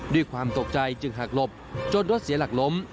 ด้วยความตกใจจึงหักหลบจนรถเสียหลักล้ม